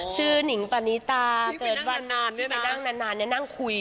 ชื่อนิ่งปานิตาเจอบ้านหนูไปนั่งนานนั่งคุย